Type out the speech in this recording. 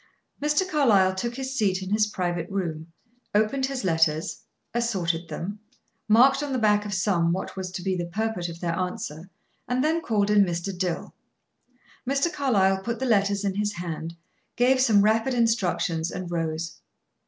Mr. Carlyle took his seat in his private room, opened his letters, assorted them, marked on the back of some what was to be the purport of their answer, and then called in Mr. Dill. Mr. Carlyle put the letters in his hand, gave some rapid instructions, and rose.